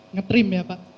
nge trim ya pak